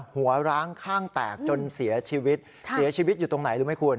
ร้างข้างแตกจนเสียชีวิตเสียชีวิตอยู่ตรงไหนรู้ไหมคุณ